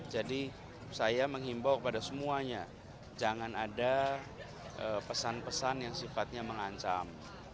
jadi saya mengimbau kepada semuanya jangan ada pesan pesan yang sifatnya mengancam